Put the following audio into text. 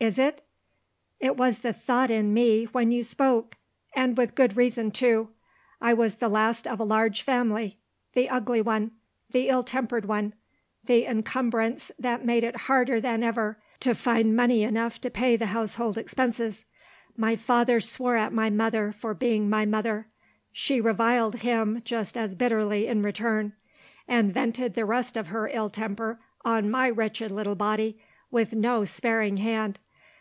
"Is it? It was the thought in me, when you spoke. And with good reason, too. I was the last of a large family the ugly one; the ill tempered one; the encumbrance that made it harder than ever to find money enough to pay the household expenses. My father swore at my mother for being my mother. She reviled him just as bitterly in return; and vented the rest of her ill temper on my wretched little body, with no sparing hand.